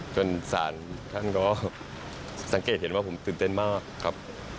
จนศาลท่านก็สังเกตเห็นว่าผมตื่นเต้นมากครับ